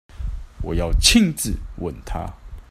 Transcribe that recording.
我要親自問他